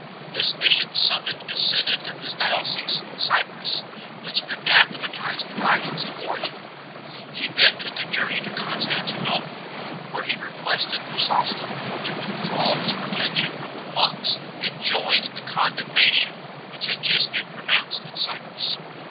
This bishop summoned a synod of his diocese, Cyprus, which anathe matized the writings of Origen 1 . He then took a journey to Constantinople *, where he requested Chrysostom to withdraw his protection from the monks and join in the condemnation which had just been pronounced in Cyprus.